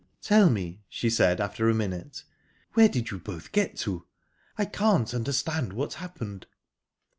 "Tell me," she said, after a minute, "where did you both get to? I can't understand what happened."